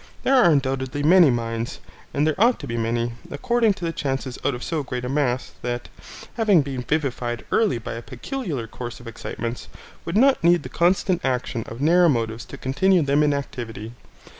There are undoubtedly many minds, and there ought to be many, according to the chances out of so great a mass, that, having been vivified early by a peculiar course of excitements, would not need the constant action of narrow motives to continue them in activity.